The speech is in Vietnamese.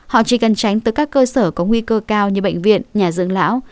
họ chỉ cần tránh tới các cơ sở có nguy cơ cao như bệnh viện nhà dưỡng lão